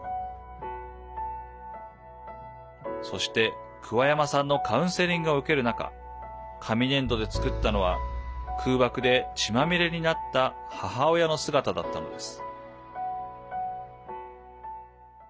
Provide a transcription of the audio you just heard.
そして、桑山さんのカウンセリングを受ける中紙粘土で作ったのは空爆で血まみれになった母親の姿だったのです。